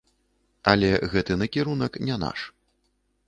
Але гэты накірунак не наш.